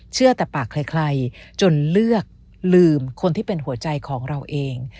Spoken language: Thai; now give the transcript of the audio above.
เชื่อแต่ปากใครจนเลือกลืมคนที่เป็นหัวใจของเราเอง